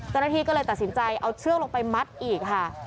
เจ้าหน้าที่ก็เลยตัดสินใจเอาเชือกลงไปมัดอีกค่ะ